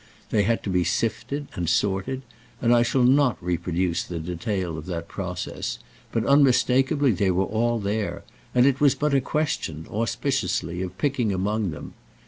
They had to be sifted and sorted, and I shall not reproduce the detail of that process; but unmistakeably they were all there, and it was but a question, auspiciously, of picking among them.